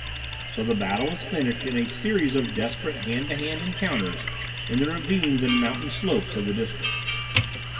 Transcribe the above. So the battle was finished in a series of desperate hand to hand encounters in the ravines and mountain slopes of the district.